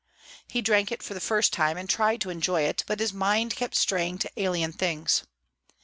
He drank it for the first time, and tried to enjoy it, but his mind kept straying to alien things.